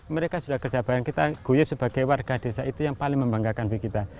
mereka sudah kerja bareng kita guyup sebagai warga desa itu yang paling membanggakan bagi kita